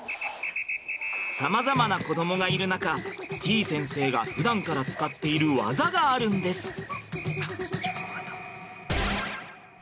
さまざまな子どもがいる中てぃ先生がふだんから使っている技があるんです！